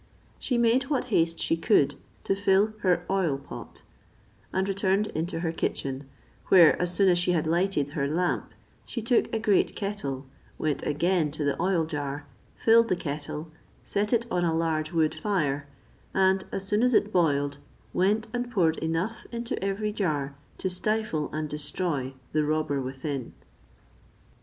She made what haste she could to fill her oil pot, and returned into her kitchen; where, as soon as she had lighted her lamp, she took a great kettle, went again to the oil jar, filled the kettle, set it on a large wood fire, and as soon as it boiled went and poured enough into every jar to stifle and destroy the robber within.